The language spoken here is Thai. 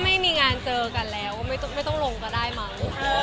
ไม่มีงานเจอกันแล้วไม่ต้องลงก็ได้มั้ง